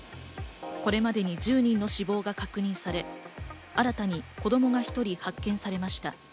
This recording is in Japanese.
これまでに１０人の死亡が確認され、新たに子供が１人発見されました。